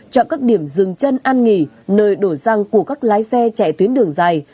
chọn các điểm dừng chân ăn nghỉ nơi đổi sang của các lái xe chạy tuyến đường dài